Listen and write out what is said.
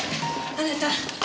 あなた！